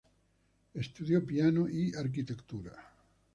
Estudió piano y arquitectura.